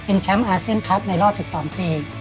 เป็นแชมป์อาเซียนครับในรอบ๑๒เพลง